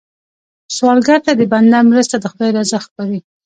سوالګر ته د بنده مرسته، د خدای رضا ښکاري